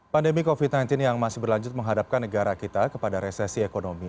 pandemi covid sembilan belas yang masih berlanjut menghadapkan negara kita kepada resesi ekonomi